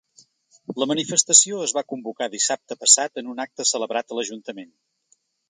La manifestació es va convocar dissabte passat en un acte celebrat a l’ajuntament.